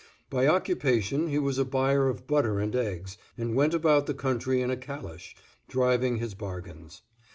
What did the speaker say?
By occupation he was a buyer of butter and eggs, and went about the country in a calash, driving his bargains.